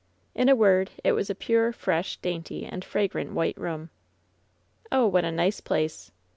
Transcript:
In a word, it was a pure, fresh, dainty, and fragrant white room. "Oh, what a nice place!